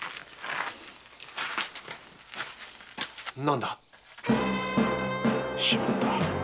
なんだ？しまった。